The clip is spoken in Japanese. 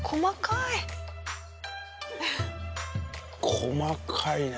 細かいね。